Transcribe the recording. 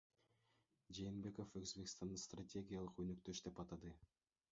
Жээнбеков Өзбекстанды стратегиялык өнөктөш деп атады